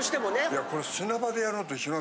いやこれ。